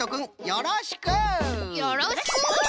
よろしく！